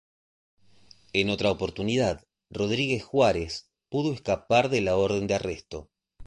En otra oportunidad, Rodríguez Juárez pudo escapar de la orden de arresto.